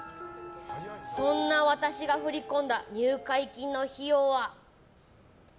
そんな私が振り込んだ入会金の費用はえー！